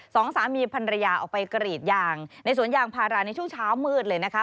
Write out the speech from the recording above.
สองสามีพันรยาออกไปกรีดยางในสวนยางพาราในช่วงเช้ามืดเลยนะคะ